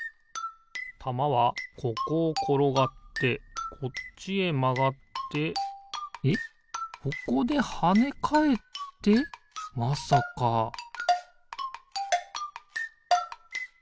たまはここをころがってこっちへまがってえっここではねかえってまさかピッ！